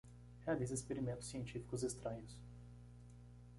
Realize experimentos científicos estranhos